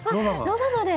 ロバまで。